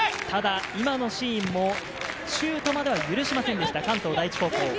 今のシーンもシュートまでは許しませんでした、関東第一高校。